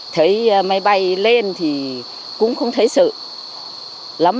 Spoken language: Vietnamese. thấy máy bay lên thì cũng không thấy sự lắm